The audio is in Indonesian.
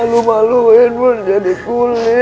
mbak be malu maluin mon jadi kuli